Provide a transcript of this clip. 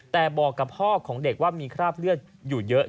แต่บอกกับพ่อของเด็กว่ามีคราบเลือดอยู่เยอะ